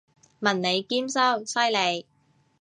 文理兼修，犀利！